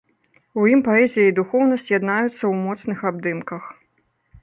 У ім паэзія і духоўнасць яднаюцца ў моцных абдымках.